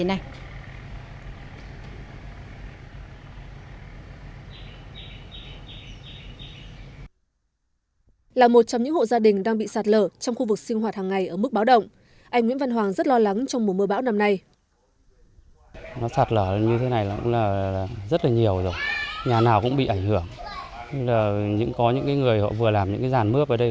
anh nguyễn văn hoàng rất lo lắng trong mùa mưa bão năm nay